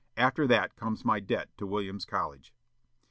After that comes my debt to Williams College."